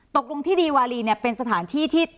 ตกลงที่ดีวารีเนี่ยเป็นสถานที่ที่